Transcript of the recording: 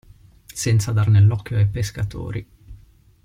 Senza dar nell'occhio ai pescatori.